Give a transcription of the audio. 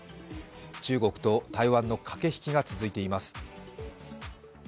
中国と台湾の駆け引きが続いています。